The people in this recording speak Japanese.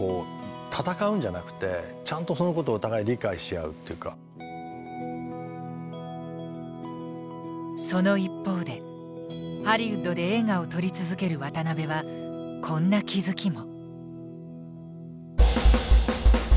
あのこうその一方でハリウッドで映画を撮り続ける渡辺はこんな気付きも。